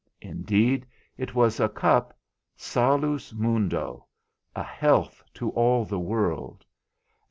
Indeed it was a cup, salus mundo, a health to all the world.